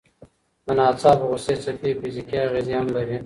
د ناڅاپه غوسې څپې فزیکي اغېزې هم لري.